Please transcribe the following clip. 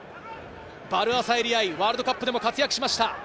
ヴァル・アサエリ愛、ワールドカップでも活躍しました。